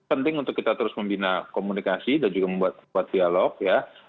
jadi penting untuk kita terus membina komunikasi dan juga membuat dialog ya